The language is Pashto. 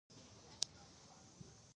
د هرات په کشک رباط سنګي کې څه شی شته؟